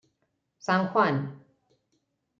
San Juan.